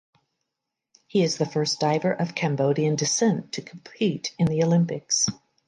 He is the first diver of Cambodian descent to compete in the Olympics.